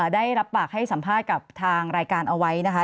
ได้รับปากให้สัมภาษณ์กับทางรายการเอาไว้นะคะ